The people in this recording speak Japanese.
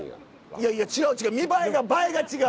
いやいや違う違う。